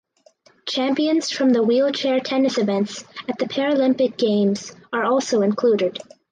Champions from the wheelchair tennis events at the Paralympic Games are also included.